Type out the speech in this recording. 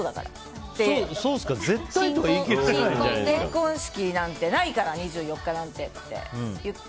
結婚式なんてないから２４日なんてって言って。